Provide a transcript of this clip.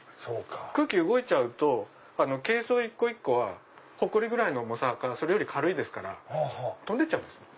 空気動いちゃうと珪藻一個一個はほこりぐらいの重さかそれより軽いですから飛んでっちゃうんです。